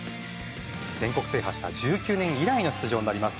全国制覇した１９年以来の出場になります。